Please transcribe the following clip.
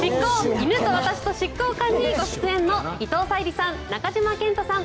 犬と私と執行官」にご出演の伊藤沙莉さん、中島健人さん